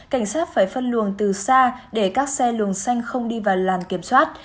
cảnh sát phải phân luồng từ xa để các xe luồng xanh không đi vào làn kiểm soát